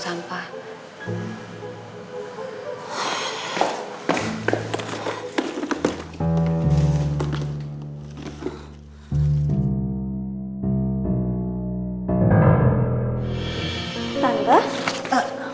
sampai tamat berbahayanya